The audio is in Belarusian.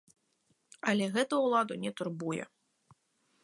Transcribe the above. Але гэта ўладу не турбуе.